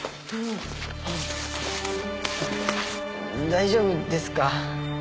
大丈夫ですか？